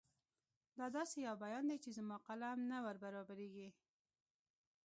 دا داسې یو بیان دی چې زما قلم نه وربرابرېږي.